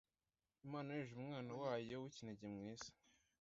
imana yohereje umwana wayo w ikinege mu isi